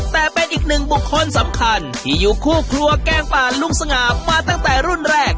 แต่เป็นอีกหนึ่งบุคคลสำคัญที่อยู่คู่ครัวแกงป่าลุงสง่ามาตั้งแต่รุ่นแรก